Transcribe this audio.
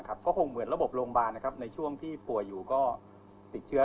ก็คงเหมือนระบบโรงพยาบาลนะครับในช่วงที่ป่วยอยู่ก็ติดเชื้อ